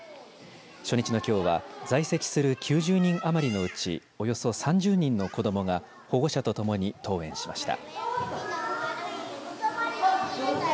初日のきょうは在籍する９０人余りのうちおよそ３０人の子どもが保護者と共に登園しました。